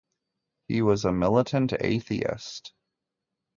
He was a militant atheist.